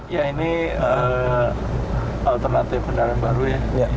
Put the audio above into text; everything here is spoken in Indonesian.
ya ini alternatif kendaraan baru ya